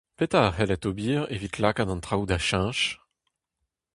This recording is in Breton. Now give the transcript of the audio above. Petra a c'hellit ober evit lakaat an traoù da cheñch ?